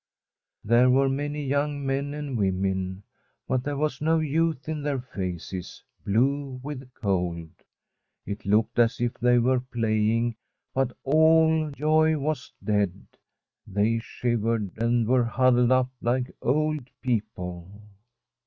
There were many young men and women ; but there was no youth in their faces, blue with cold. It looked as if they were playing, but all joy was dead. They shivered, and were huddled up like old people.